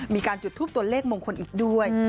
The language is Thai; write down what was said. มีการจุดทูปตัวเลขมงคลอีกด้วย